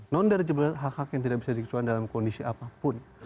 non derogable right adalah hak hak yang tidak bisa dikecuali dalam kondisi apapun